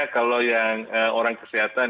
kalau yang orang kesehatan